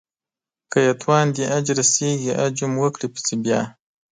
که يې توان د حج رسېږي حج هم وکړي پسې بيا